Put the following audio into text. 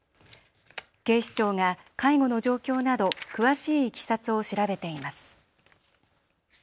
警視庁が介護の状況など詳しいいきさつを調べています。